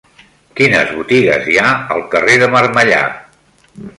Quines botigues hi ha al carrer de Marmellà?